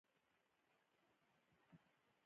چې خداى به په ما باندې هم د اولاد مينه وګوري که يه.